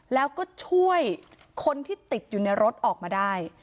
แล้วก็ช่วยคนที่ติดอยู่ในรถออกมาได้